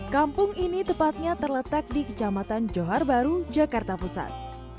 kampung ini tepatnya terletak di kecamatan johar baru jakarta pusat